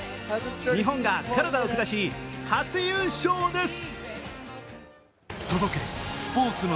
日本がカナダを下し、初優勝です。